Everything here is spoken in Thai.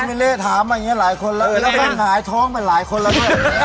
มิเลถามมาอย่างเงี้ยหลายคนแล้วแล้วก็หายท้องไปหลายคนแล้วด้วย